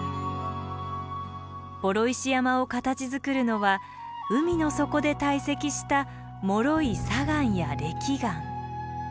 双石山を形づくるのは海の底で堆積したもろい砂岩やれき岩。